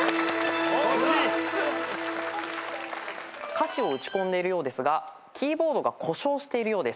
歌詞を打ち込んでるようですがキーボードが故障しているようです。